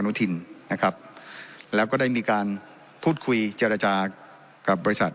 นุทินนะครับแล้วก็ได้มีการพูดคุยเจรจากับบริษัท